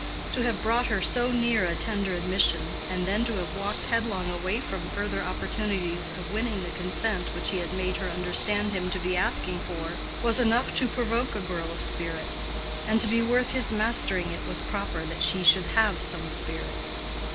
To have brought her so near a tender admission, and then to have walked headlong away from further opportunities of winning the consent which he had made her understand him to be asking for, was enough to provoke a girl of spirit; and to be worth his mastering it was proper that she should have some spirit.